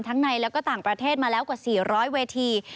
ทั้งในและต่างประเทศมาแล้วกว่า๔๐๐เวที